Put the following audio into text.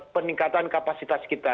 peningkatan kapasitas kita